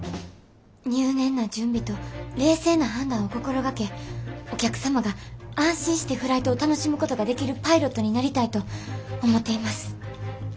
入念な準備と冷静な判断を心がけお客様が安心してフライトを楽しむことができるパイロットになりたいと思っています。